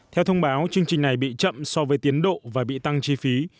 theo thông báo chương trình này bị chậm so với tiến độ và bị tăng chi phí